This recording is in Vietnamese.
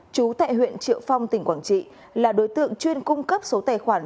chú tại huyện triệu phong tỉnh quảng trị là đối tượng chuyên cung cấp số tài khoản